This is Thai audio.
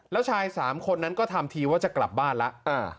แล้วชาย๓คนนั้นก็ทำทีว่าจะกลับบ้านแล้ว